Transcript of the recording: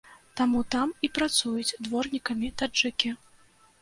Таму там і працуюць дворнікамі таджыкі.